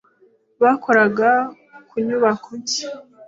Bakoraga ku nyubako nshya.